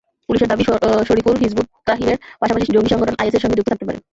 পুলিশের দাবি, শরফুল হিযবুত তাহ্রীরের পাশাপাশি জঙ্গিসংগঠন আইএসের সঙ্গে যুক্ত থাকতে পারেন।